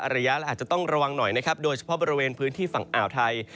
ระยะและอาจจะต้องระวังหน่อยนะครับโดยเฉพาะบริเวณพื้นที่ฝั่งอ่าวไทย